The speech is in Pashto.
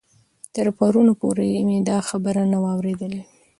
تر پرون پورې مې دا خبر نه و اورېدلی.